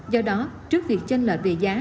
do đó trước việc tranh lợi về giá